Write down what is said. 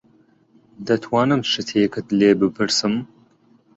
دەتوانم شتێکت لێ بپرسم؟